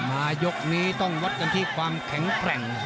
มายกนี้ต้องวัดกันที่ความแข็งแกร่ง